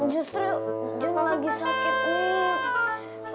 justru jun lagi sakit